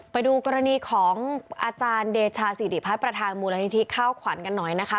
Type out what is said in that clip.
ไปดูกรณีของอาจารย์เดชาสิริพัฒน์ประธานมูลนิธิข้าวขวัญกันหน่อยนะคะ